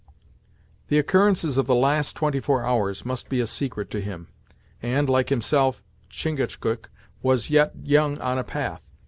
The occurrences of the last twenty four hours must be a secret to him, and like himself, Chingachgook was yet young on a path.